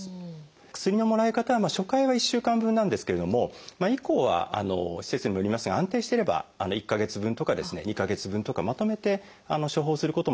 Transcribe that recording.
薬のもらい方は初回は１週間分なんですけれども以降は施設にもよりますが安定してれば１か月分とかですね２か月分とかまとめて処方することも可能ですので。